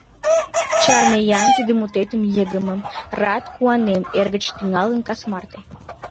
— Чарне-ян тиде мутетым йыгымым: рат, куанем — эр гыч тӱҥалын кас марте!